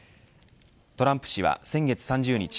トランプ氏は先月３０日